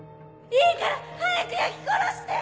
いいから！早く焼き殺して！